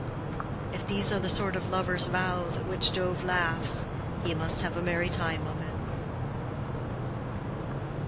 If these are the sort of lovers' vows at which Jove laughs, he must have a merry time of it.